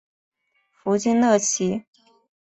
夫金乐琦。